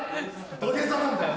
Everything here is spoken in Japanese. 土下座なんだ。